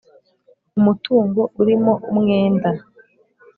umutungo urimo umwenda